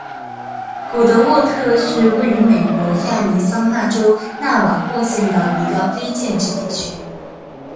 古德沃特是位于美国亚利桑那州纳瓦霍县的一个非建制地区。